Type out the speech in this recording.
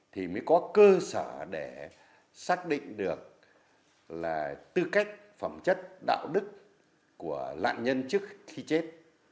thì mới có cơ sở để xác định được là tư cách phẩm chất đạo đức của nạn nhân trước khi chết